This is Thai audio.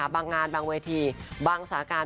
บางงานบางวิธีบางสถานการณ์